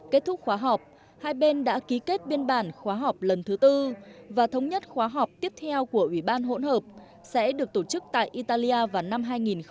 kết thúc khóa họp hai bên đã ký kết biên bản khóa học lần thứ tư và thống nhất khóa họp tiếp theo của ủy ban hỗn hợp sẽ được tổ chức tại italia vào năm hai nghìn hai mươi